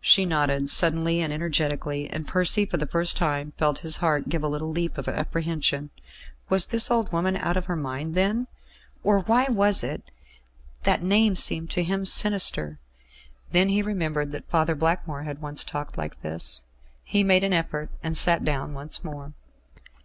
She nodded suddenly and energetically, and Percy for the first time felt his heart give a little leap of apprehension. Was this old woman out of her mind, then? Or why was it that that name seemed to him sinister? Then he remembered that Father Blackmore had once talked like this. He made an effort, and sat down once more.